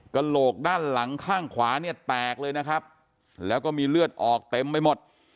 กระโหลกด้านหลังข้างขวาเนี่ยแตกเลยนะครับแล้วก็มีเลือดออกเต็มไปหมด